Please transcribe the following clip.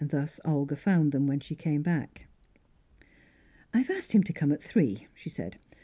Thus Olga found them when she came back. "I've asked him to come at three," she said.